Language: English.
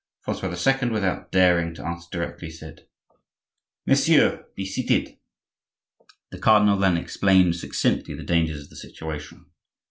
Francois II., without daring to answer directly, said: "Messieurs, be seated." The cardinal then explained succinctly the dangers of the situation.